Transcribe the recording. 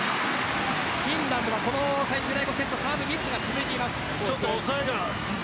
フィンランドは最終第５セットサーブミスが続いています。